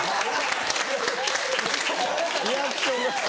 リアクションが。